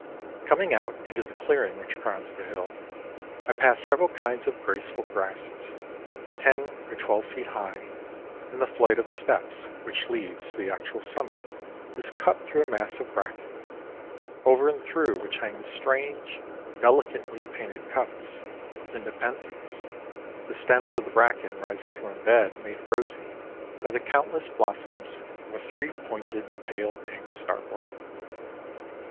Coming out into the clearing which crowns the hill, I passed several kinds of graceful grasses, ten or twelve feet high, and the flight of steps which leads to the actual summit is cut through a mass of bracken, over and through which hang the strange, delicately painted cups of the nepenthes, the stems of the bracken rising from a bed made rosy by the countless blossoms of a three pointed pale pink starwort.